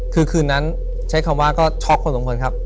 คือคืนนั้นใช้คำว่าก็ช็อกคนสมควรครับ